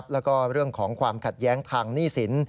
แล้วก็เรื่องของความขัดแย้งทางหนี้สิน